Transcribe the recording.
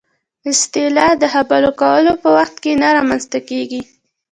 اصطلاح د خبرو کولو په وخت کې نه رامنځته کېږي